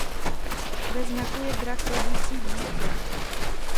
Ve znaku je drak rodící dítě.